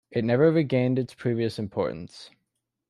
It never regained its previous importance.